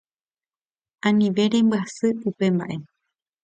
anive rembyasy upe mba'e